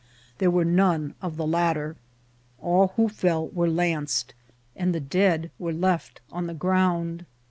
There were none of the latter ; all who fell were lanced, and the dead were left on the ground.